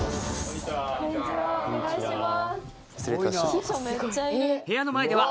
お願いします。